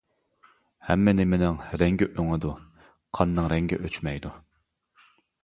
ھەممە نېمىنىڭ رەڭگى ئۆڭىدۇ ، قاننىڭ رەڭگى ئۆچمەيدۇ.